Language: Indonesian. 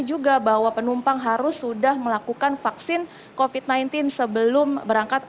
juga bahwa penumpang harus sudah melakukan vaksin covid sembilan belas sebelum berangkat